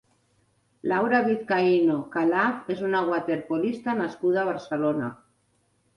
Laura Vizcaíno Calaf és una waterpolista nascuda a Barcelona.